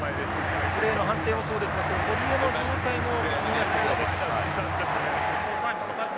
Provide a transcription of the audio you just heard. プレーの判定もそうですが堀江の状態も気になるところです。